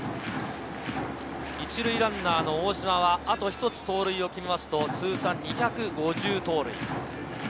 １塁ランナーの大島はあと一つ盗塁を決めると通算２５０盗塁。